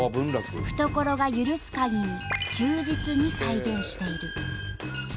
懐が許すかぎり忠実に再現している。